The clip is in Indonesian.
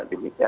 di minyak ya